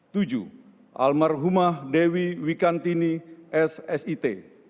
tujuh almarhumah dewi wikantini ssit